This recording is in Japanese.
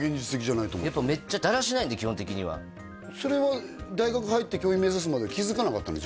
やっぱめっちゃだらしないんで基本的には大学入って教員目指すまでは気づかなかったの？